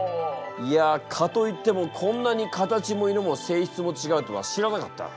いや蚊といってもこんなに形も色も性質もちがうとは知らなかった。